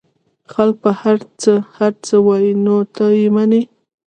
خلک به هرڅه هرڅه وايي نو ته يې منې؟